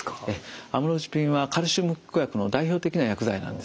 アムロジピンはカルシウム拮抗薬の代表的な薬剤なんですね。